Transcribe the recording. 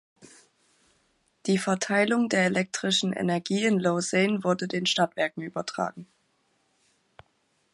Die Verteilung der elektrischen Energie in Lausanne wurde den Stadtwerken übertragen.